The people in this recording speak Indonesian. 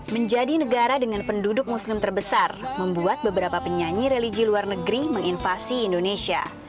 menjadi negara dengan penduduk muslim terbesar membuat beberapa penyanyi religi luar negeri menginvasi indonesia